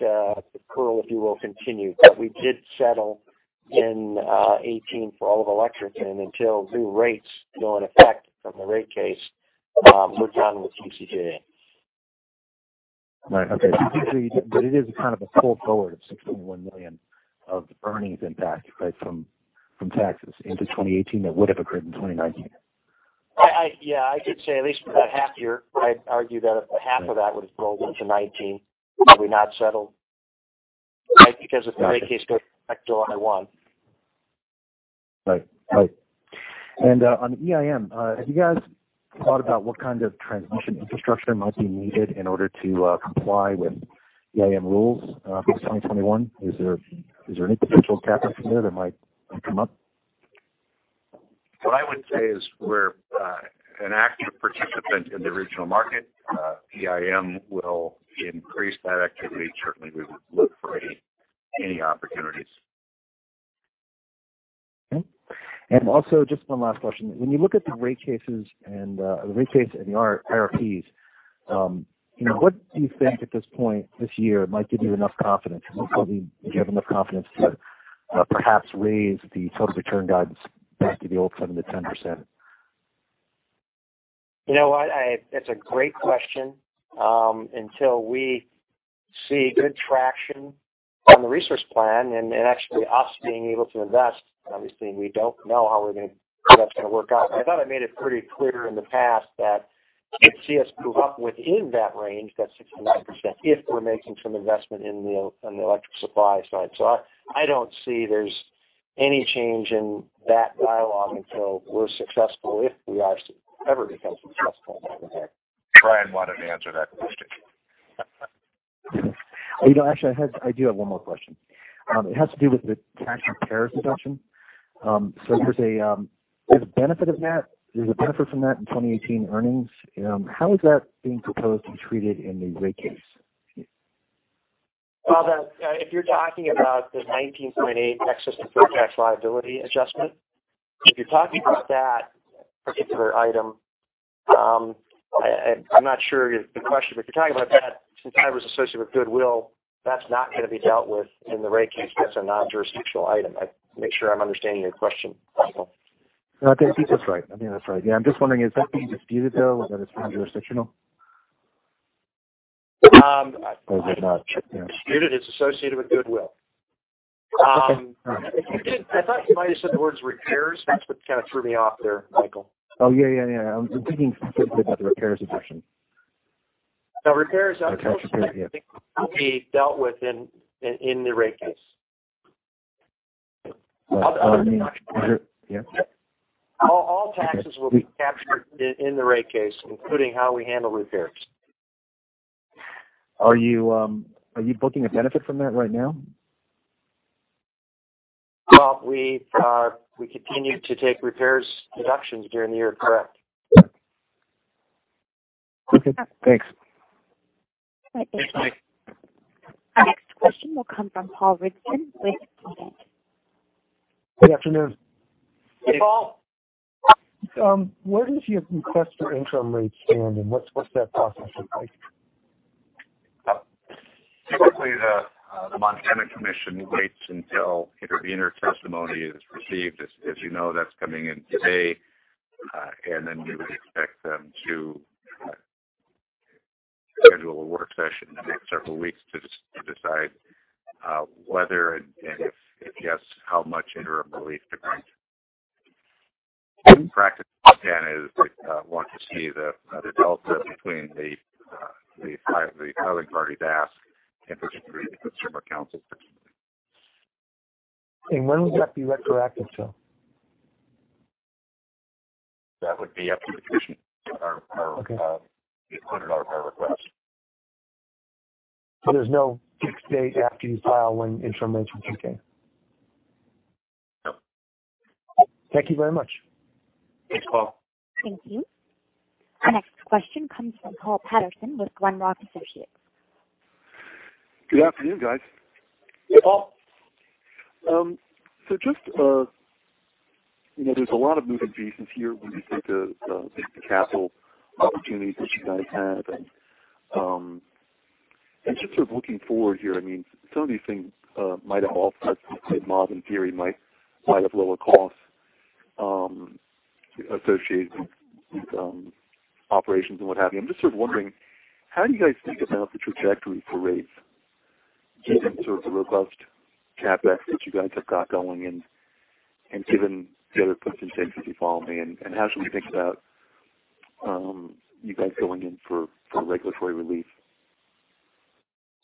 [SPEAKER 4] deferral, if you will, continue. We did settle in 2018 for all of electric, and until new rates go in effect from the rate case, we're done with TCJA.
[SPEAKER 6] Right. Okay. Basically, but it is a kind of a pull forward of $6.1 million of earnings impact right from taxes into 2018 that would have occurred in 2019.
[SPEAKER 4] Yeah, I could say at least for that half year, I'd argue that half of that would have rolled into 2019 had we not settled. Right? Because if the rate case goes back to R1.
[SPEAKER 6] On EIM, have you guys thought about what kind of transmission infrastructure might be needed in order to comply with EIM rules for 2021? Is there any potential CapEx in there that might come up?
[SPEAKER 3] What I would say is we're an active participant in the original market. EIM will increase that activity. Certainly, we would look for any opportunities.
[SPEAKER 6] Also, just one last question. When you look at the rate cases and the RFPs, what do you think at this point this year might give you enough confidence? Do you have enough confidence to perhaps raise the total return guidance back to the old 7%-10%?
[SPEAKER 4] You know what? That's a great question. Until we see good traction on the resource plan and actually us being able to invest, obviously, we don't know how that's going to work out. I thought I made it pretty clear in the past that you could see us move up within that range, that 6%-9%, if we're making some investment in the electric supply side. I don't see there's any change in that dialogue until we're successful, if we are ever become successful down the road.
[SPEAKER 3] Brian wanted to answer that question.
[SPEAKER 6] Actually, I do have one more question. It has to do with the tax repairs discussion. There's a benefit from that in 2018 earnings. How is that being proposed to be treated in the rate case?
[SPEAKER 4] Well, if you're talking about the 19.8 tax-as-to-protect liability adjustment, if you're talking about that particular item, I'm not sure of the question. If you're talking about that, since that was associated with goodwill, that's not going to be dealt with in the rate case. That's a non-jurisdictional item. Make sure I'm understanding your question, Michael.
[SPEAKER 6] I think that's right. I mean, that's right. I'm just wondering, is that being disputed, though, that it's non-jurisdictional?
[SPEAKER 4] It's not disputed. It's associated with goodwill.
[SPEAKER 6] Okay, all right.
[SPEAKER 4] I thought you might have said the words repairs. That's what kind of threw me off there, Michael.
[SPEAKER 6] Oh, yeah. I'm thinking specifically about the repairs deduction.
[SPEAKER 4] No, repairs-
[SPEAKER 6] Okay, sure. Yeah.
[SPEAKER 4] Repairs will be dealt with in the rate case.
[SPEAKER 6] Yeah.
[SPEAKER 4] All taxes will be captured in the rate case, including how we handle repairs.
[SPEAKER 6] Are you booking a benefit from that right now?
[SPEAKER 4] We continue to take repairs deductions during the year, correct.
[SPEAKER 6] Okay, thanks.
[SPEAKER 4] Thanks, Mike.
[SPEAKER 1] Our next question will come from Paul Ridzon with KeyBanc.
[SPEAKER 7] Good afternoon.
[SPEAKER 4] Hey, Paul.
[SPEAKER 7] Where does your request for interim rates stand, and what's that process look like?
[SPEAKER 3] Typically, the Montana Commission waits until intervener testimony is received. As you know, that's coming in today. Then we would expect them to schedule a work session in the next several weeks to decide whether and if yes, how much interim relief they're going to. Practice in Montana is they want to see the delta between the filing party's ask and potentially the consumer counsel's.
[SPEAKER 7] When would that be retroactive to?
[SPEAKER 3] That would be up to the commission.
[SPEAKER 7] Okay.
[SPEAKER 3] We put it on our request.
[SPEAKER 7] There's no fixed date after you file when information is okay?
[SPEAKER 3] No.
[SPEAKER 7] Thank you very much.
[SPEAKER 4] Thanks, Paul.
[SPEAKER 1] Thank you. Our next question comes from Paul Patterson with Glenrock Associates.
[SPEAKER 8] Good afternoon, guys.
[SPEAKER 4] Hey, Paul.
[SPEAKER 8] Just, there's a lot of moving pieces here when you think of the capital opportunities that you guys have. Just sort of looking forward here, some of these things might have all kinds of in theory might have lower costs associated with operations and what have you. I'm just sort of wondering, how do you guys think about the trajectory for rates given sort of the robust CapEx that you guys have got going and given the other circumstances, if you follow me, and how should we think about you guys going in for regulatory relief?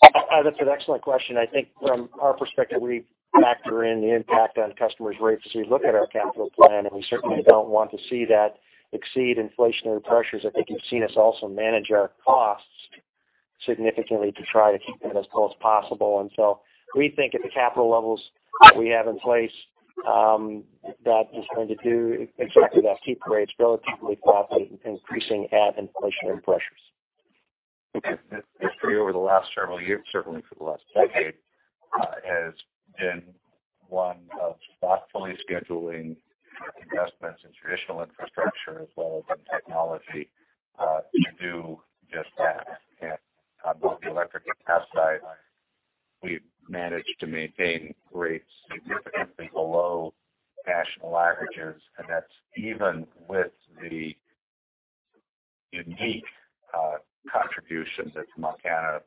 [SPEAKER 4] That's an excellent question. I think from our perspective, we factor in the impact on customers' rates as we look at our capital plan, and we certainly don't want to see that exceed inflationary pressures. I think you've seen us also manage our costs significantly to try to keep that as low as possible. We think at the capital levels that we have in place, that is going to do exactly that, keep rates relatively flat and increasing at inflationary pressures.
[SPEAKER 3] History over the last several years, certainly for the last decade, has been one of thoughtfully scheduling investments in traditional infrastructure as well as in technology to do just that. On both the electric and capacity side, we've managed to maintain rates significantly below national averages. That's even with the unique contribution that Montana,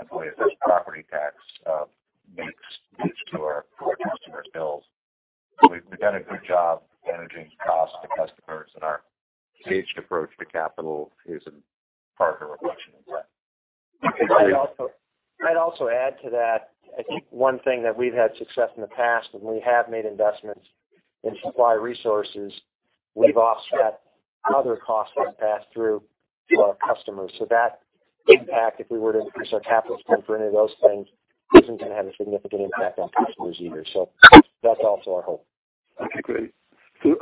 [SPEAKER 3] in the way it does property tax makes to our customers' bills. We've done a good job managing costs to customers, and our staged approach to capital is a part of a reflection of that.
[SPEAKER 4] I'd also add to that, I think one thing that we've had success in the past when we have made investments in supply resources, we've offset other costs that pass through to our customers. That impact, if we were to increase our capital spend for any of those things, isn't going to have a significant impact on customers either. That's also our hope.
[SPEAKER 8] Okay, great. Just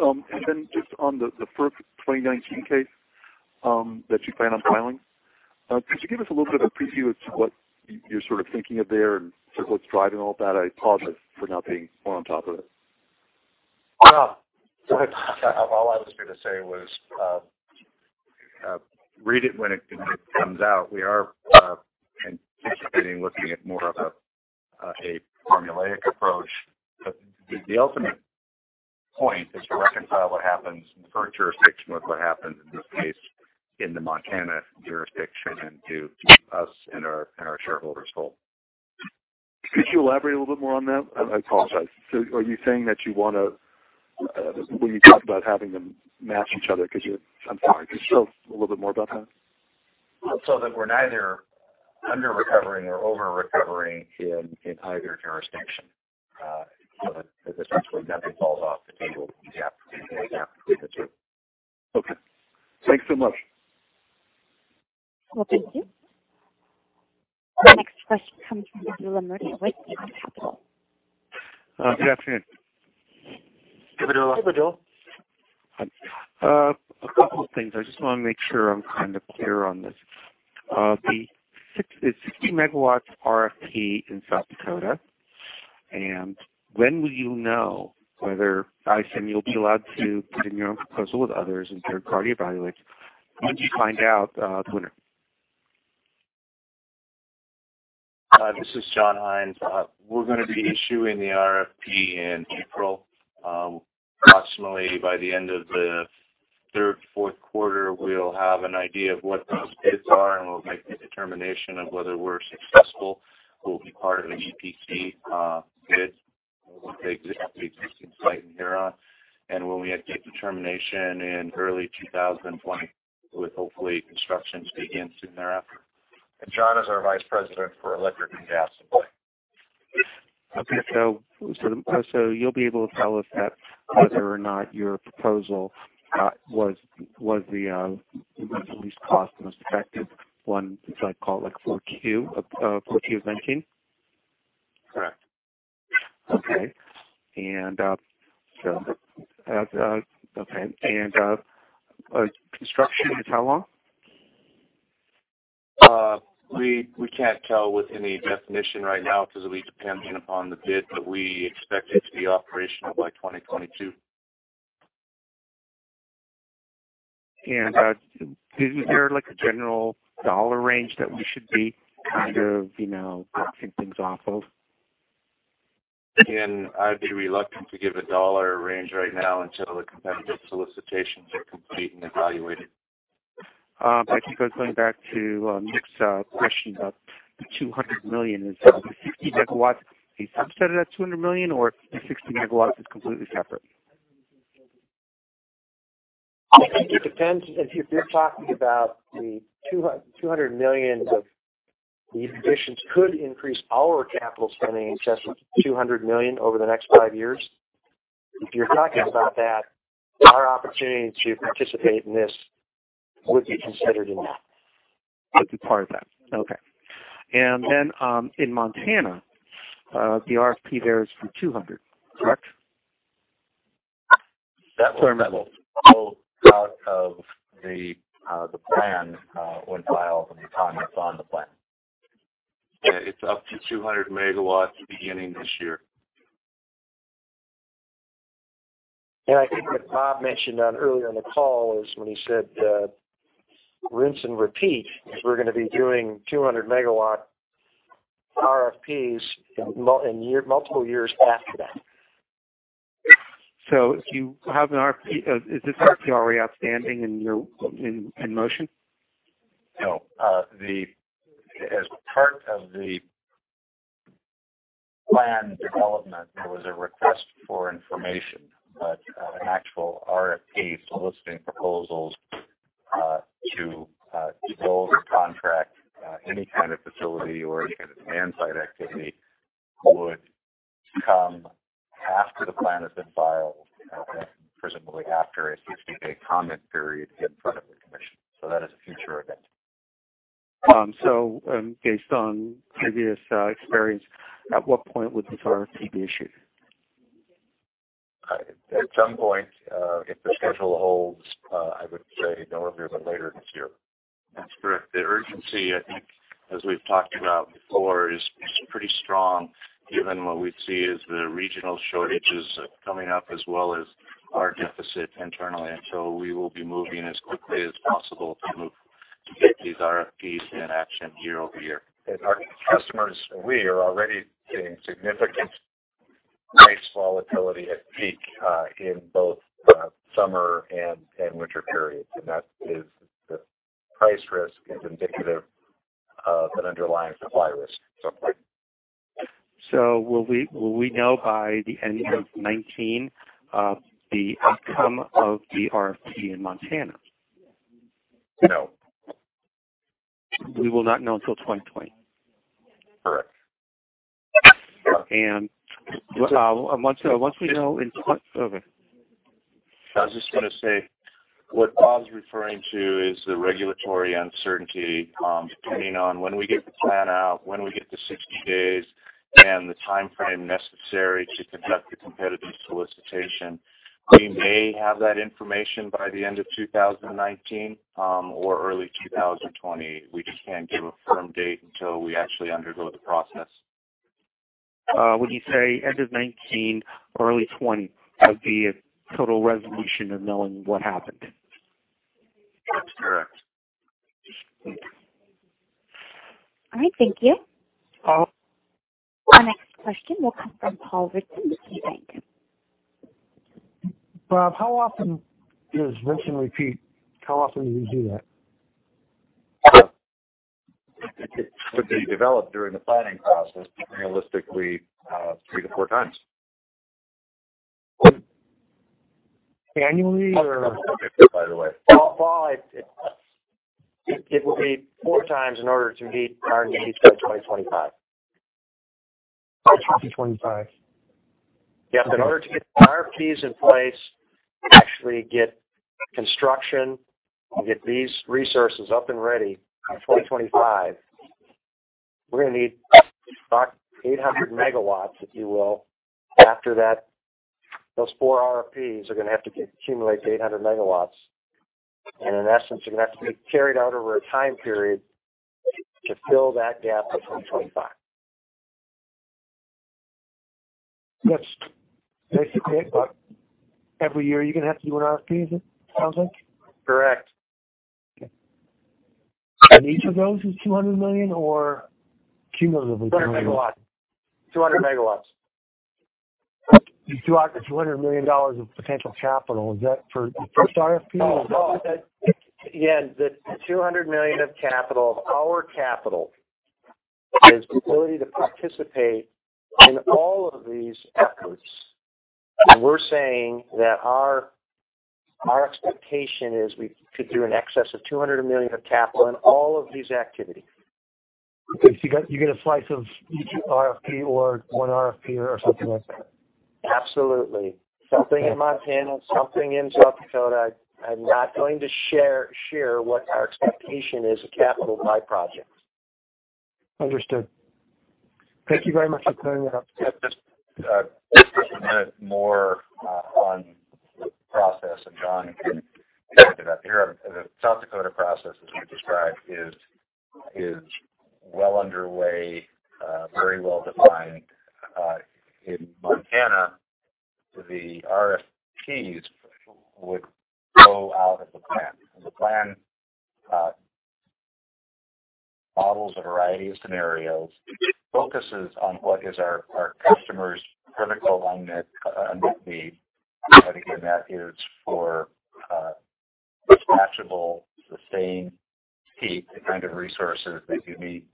[SPEAKER 8] on the FERC 2019 case that you plan on filing, could you give us a little bit of a preview as to what you're sort of thinking of there and sort of what's driving all that? I apologize for not being more on top of it.
[SPEAKER 4] Bob.
[SPEAKER 3] All I was going to say was, read it when it comes out. We are anticipating looking at more of a formulaic approach. The ultimate point is to reconcile what happens in the FERC jurisdiction with what happens, in this case, in the Montana jurisdiction and to us and our shareholders whole.
[SPEAKER 8] Could you elaborate a little bit more on that? I apologize. Are you saying that you want when you talk about having them match each other, could you tell a little bit more about that?
[SPEAKER 3] That we're neither under-recovering or over-recovering in either jurisdiction. That essentially nothing falls off the table between the gap between the two.
[SPEAKER 8] Okay. Thanks so much.
[SPEAKER 1] Well, thank you. The next question comes from Vedula Murti, Avon Capital.
[SPEAKER 9] Good afternoon.
[SPEAKER 3] Hi, Bill.
[SPEAKER 9] A couple of things. I just want to make sure I'm kind of clear on this. The 60 MW RFP in South Dakota, when will you know whether you'll be allowed to put in your own proposal with others and third-party evaluate? When did you find out the winner?
[SPEAKER 10] This is John Hines. We're going to be issuing the RFP in April. Approximately by the end of the third, fourth quarter, we'll have an idea of what those bids are, and we'll make the determination of whether we're successful, who will be part of an EPC bid, the existing site in Huron. When we make the determination in early 2020, with hopefully construction to begin soon thereafter.
[SPEAKER 3] John is our Vice President for electric and gas supply.
[SPEAKER 9] Okay. You'll be able to tell us that whether or not your proposal was the least-cost, most effective one, should I call it, fourth quarter of 2019?
[SPEAKER 10] Correct.
[SPEAKER 9] Okay. Construction is how long?
[SPEAKER 10] We can't tell with any definition right now because it'll be dependent upon the bid, but we expect it to be operational by 2022.
[SPEAKER 9] Is there, like, a general dollar range that we should be kind of, working things off of?
[SPEAKER 10] Again, I'd be reluctant to give a dollar range right now until the competitive solicitations are complete and evaluated.
[SPEAKER 9] I think I was going back to Nick's question about the $200 million. Is the 60 MWs a subset of that $200 million, or 60 MWs is completely separate?
[SPEAKER 4] I think it depends. If you're talking about the $200 million of the additions could increase our capital spending in excess of $200 million over the next five years. If you're talking about that, our opportunity to participate in this would be considered in that.
[SPEAKER 9] Would be part of that. Okay. Then, in Montana, the RFP there is for $200 million, correct?
[SPEAKER 3] That's our metal. Out of the plan when filed and the comments on the plan.
[SPEAKER 10] Yeah, it's up to 200 MW beginning this year.
[SPEAKER 4] I think what Bob mentioned on earlier in the call is when he said, rinse and repeat, because we're going to be doing 200 MW RFPs in multiple years after that.
[SPEAKER 9] If you have an RFP, is this RFP already outstanding and in motion?
[SPEAKER 3] No. As part of the plan development, there was a request for information, but an actual RFP soliciting proposals, to build or contract, any kind of facility or any kind of demand-side activity would come after the plan has been filed, and then presumably after a 60-day comment period in front of the commission. That is a future event.
[SPEAKER 9] Based on previous experience, at what point would this RFP be issued?
[SPEAKER 3] At some point, if the schedule holds, I would say November, but later this year.
[SPEAKER 10] That's correct. The urgency, I think, as we've talked about before, is pretty strong given what we see as the regional shortages coming up as well as our deficit internally. We will be moving as quickly as possible to get these RFPs in action year-over-year.
[SPEAKER 3] Our customers, we are already seeing significant price volatility at peak, in both summer and winter periods. That is the price risk is indicative of an underlying supply risk at some point.
[SPEAKER 9] Will we know by the end of 2019, the outcome of the RFP in Montana?
[SPEAKER 3] No.
[SPEAKER 9] We will not know until 2020.
[SPEAKER 3] Correct.
[SPEAKER 9] Once we know. Over.
[SPEAKER 10] I just want to say, what Bob's referring to is the regulatory uncertainty, depending on when we get the plan out, when we get the 60 days, and the timeframe necessary to conduct the competitive solicitation. We may have that information by the end of 2019, or early 2020. We just can't give a firm date until we actually undergo the process.
[SPEAKER 9] Would you say end of 2019 or early 2020 of the total resolution of knowing what happened?
[SPEAKER 10] That's correct.
[SPEAKER 1] All right. Thank you. Our next question will come from Paul Ridzon, KeyBanc.
[SPEAKER 7] Bob, how often does rinse and repeat, how often do you do that?
[SPEAKER 3] It could be developed during the planning process. Realistically, 3x to 4x.
[SPEAKER 7] Annually or?
[SPEAKER 3] By the way.
[SPEAKER 4] Paul, it will be 4x in order to meet our needs by 2025.
[SPEAKER 7] By 2025.
[SPEAKER 3] Yep.
[SPEAKER 4] In order to get the RFPs in place, actually get construction, and get these resources up and ready by 2025, we're going to need about 800 MWs, if you will. After that, those four RFPs are going to have to accumulate to 800 MWs. In essence, they're going to have to be carried out over a time period to fill that gap by 2025.
[SPEAKER 7] That's basically every year you're going to have to do an RFP, is it sounds like?
[SPEAKER 4] Correct.
[SPEAKER 7] Okay. Each of those is $200 million or cumulatively $200 million?
[SPEAKER 4] 200 MWs. 200 MWs.
[SPEAKER 7] You threw out the $200 million of potential capital. Is that for the first RFP or is that-
[SPEAKER 4] No. Yeah, the $200 million of capital, of our capital, is the ability to participate in all of these efforts. We're saying that our expectation is we could do in excess of $200 million of capital in all of these activities.
[SPEAKER 7] Okay, you get a slice of each RFP or one RFP or something like that?
[SPEAKER 4] Absolutely. Something in Montana, something in South Dakota. I'm not going to share what our expectation is of capital by project.
[SPEAKER 7] Understood. Thank you very much for clearing that up.
[SPEAKER 3] Just a minute more on the process, John can pick it up here. The South Dakota process, as you described, is well underway, very well-defined. In Montana, the RFPs would go out at the plan. The plan models a variety of scenarios, focuses on what is our customers' critical unmet need. Again, that is for dispatchable, sustained peak kind of resources that you need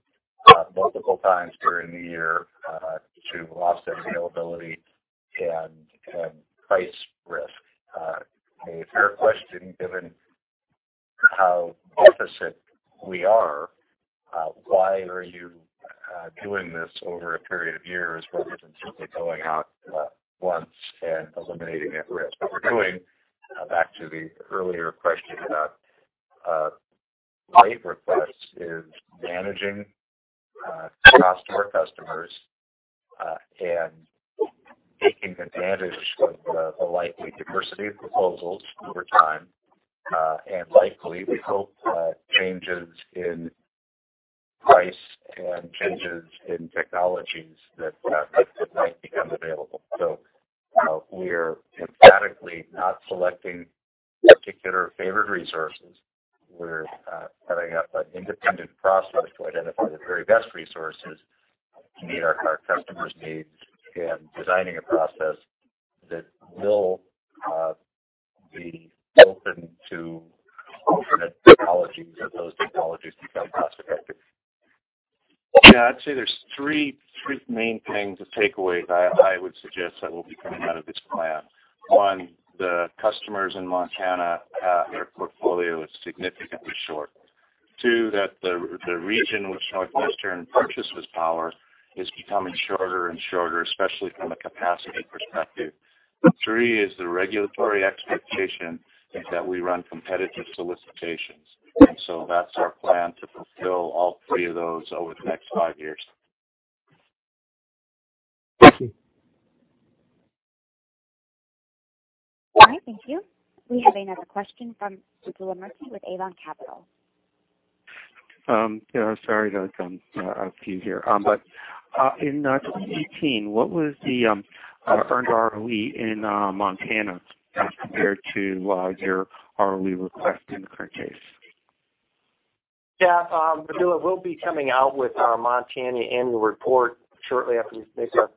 [SPEAKER 3] multiple times during the year, to offset availability and price risk. A fair question, given how deficit we are, why are you doing this over a period of years rather than simply going out once and eliminating that risk? What we're doing, back to the earlier question about rate requests, is managing cost to our customers, and taking advantage of the likely diversity of proposals over time. Likely, we hope, changes in price and changes in technologies that might become available. We're emphatically not selecting particular favored resources. We're setting up an independent process to identify the very best resources to meet our customers' needs and designing a process that will be open to different technologies as those technologies become cost-effective.
[SPEAKER 10] I'd say there's three main things or takeaways I would suggest that will be coming out of this plan. One, the customers in Montana, their portfolio is significantly short. Two, that the region which NorthWestern purchases power is becoming shorter and shorter, especially from a capacity perspective. Three is the regulatory expectation is that we run competitive solicitations. That's our plan to fulfill all three of those over the next five years.
[SPEAKER 7] Thank you.
[SPEAKER 1] All right. Thank you. We have another question from Vedula Murti with Avon Capital.
[SPEAKER 9] Sorry to come off to you here. In 2018, what was the earned ROE in Montana as compared to your ROE request in the current case?
[SPEAKER 4] Yeah, Vedula, we'll be coming out with our Montana annual report shortly after we make our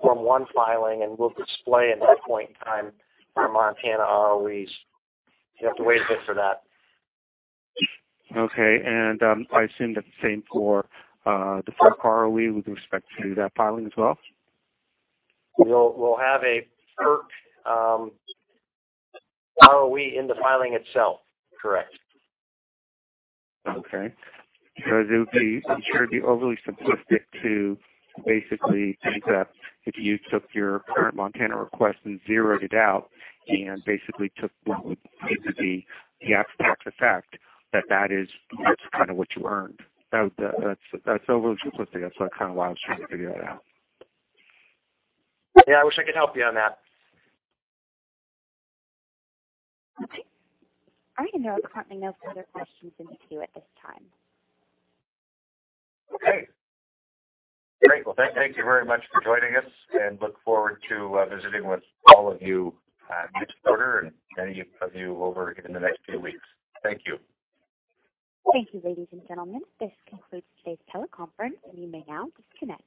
[SPEAKER 4] Form 1 filing, and we'll display at that point in time our Montana ROEs. You'll have to wait a bit for that.
[SPEAKER 9] Okay. I assume that the same for the FERC ROE with respect to that filing as well?
[SPEAKER 4] We'll have a FERC ROE in the filing itself. Correct.
[SPEAKER 9] Okay. It would be overly simplistic to basically think that if you took your current Montana request and zeroed it out and basically took what would be the after-tax effect, that that is kind of what you earned. That's overly simplistic. That's kind of why I was trying to figure it out.
[SPEAKER 4] Yeah, I wish I could help you on that.
[SPEAKER 1] Okay. I have currently no further questions in the queue at this time.
[SPEAKER 3] Okay. Great. Well, thank you very much for joining us, and look forward to visiting with all of you next quarter and many of you over in the next few weeks. Thank you.
[SPEAKER 1] Thank you, ladies and gentlemen. This concludes today's teleconference, and you may now disconnect.